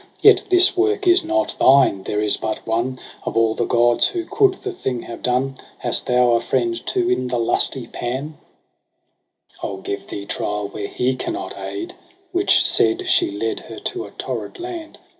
Yet this work is not thine : there is but one Of all the gods who coud the thing have done. Hast thou a friend too in the lusty Pan ? DECEMBER i8<) i8 ' I'll give thee trial where he cannot aid.' Which said, she led her to a torrid land.